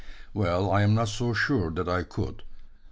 "Well, I'm not so sure that I could.